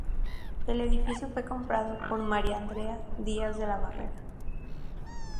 El edificio fue comprado por María Andrea Díaz de la Barrera.